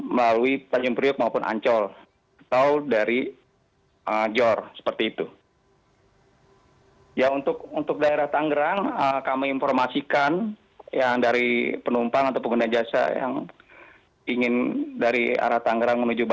mungkin bisa dialihkan lewat jalan tol